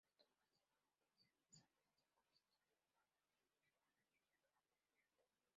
Estuvo casado, aunque sin descendencia, con la historiadora peruana Ella Dunbar Temple.